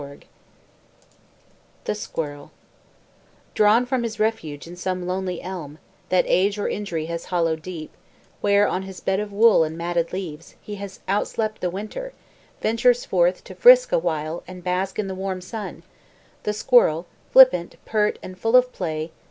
WOOD THE SQUIRREL Drawn from his refuge in some lonely elm That age or injury has hollow'd deep, Where, on his bed of wool and matted leaves, He has outslept the winter, ventures forth To frisk a while, and bask in the warm sun, The squirrel, flippant, pert, and full of play.